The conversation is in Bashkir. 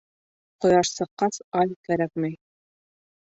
Ҡояш сыҡҡас, ай кәрәкмәй.